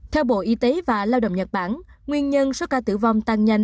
theo bộ y tế và lao động nhật bản nguyên nhân số ca tử vong tăng nhanh